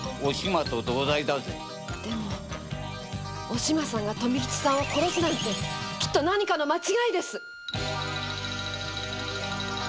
おしまさんが富吉さんを殺すなんて何かの間違いです。